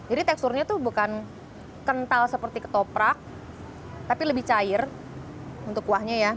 ini teksturnya tuh bukan kental seperti ketoprak tapi lebih cair untuk kuahnya ya